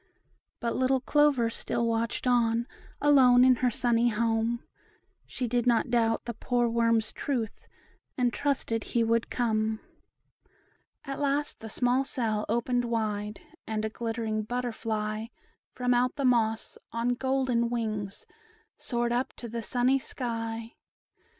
But little Clover still watched on, Alone in her sunny home; She did not doubt the poor worm's truth, And trusted he would come. At last the small cell opened wide, And a glittering butterfly, From out the moss, on golden wings, Soared up to the sunny sky.